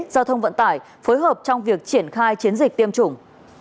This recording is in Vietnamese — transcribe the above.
giao thông vận tải phối hợp trong việc triển khai chiến dịch tiêm chủng